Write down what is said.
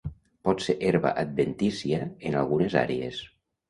Pot ser herba adventícia en algunes àrees.